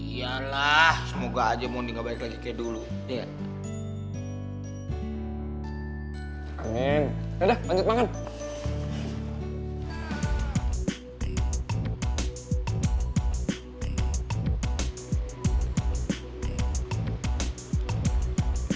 yalah semoga aja mondi nggak balik lagi kayak dulu